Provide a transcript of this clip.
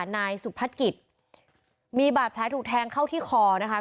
นายสุพัฒนกิจมีบาดแผลถูกแทงเข้าที่คอนะคะ